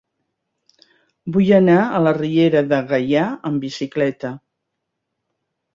Vull anar a la Riera de Gaià amb bicicleta.